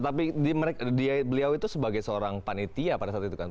tapi beliau itu sebagai seorang panitia pada saat itu kan